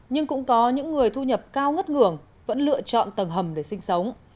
nhưng cũng có những người thu nhập cao ngất ngường vẫn lựa chọn tầng hầm để sinh sống